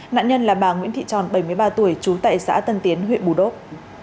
nạn nhân là bà nguyễn thị tròn bảy mươi ba tuổi trú tại xã tân tiến huyện bù đốc